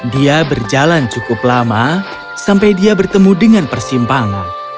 dia berjalan cukup lama sampai dia bertemu dengan persimpangan